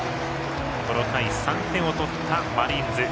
この回３点を取ったマリーンズ。